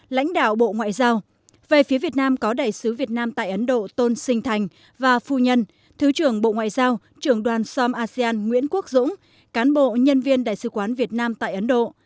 lãnh đạo bộ ngoại giao về phía việt nam có đại sứ việt nam tại ấn độ tôn sinh thành và phu nhân thứ trưởng bộ ngoại giao trưởng đoàn som asean nguyễn quốc dũng cán bộ nhân viên đại sứ quán việt nam tại ấn độ